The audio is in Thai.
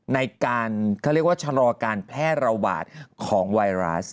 ในการเขาเรียกว่าชะลอการแพร่ระบาดของไวรัส